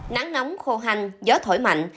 nắng nóng khô hành gió thổi mạnh